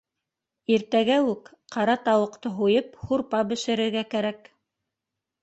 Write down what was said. Иртәгә үк ҡара тауыҡты һуйып һурпа бешерергә кәрәк.